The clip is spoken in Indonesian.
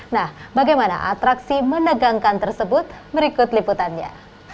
nah bagaimana atraksi menegangkan tersebut berikut liputannya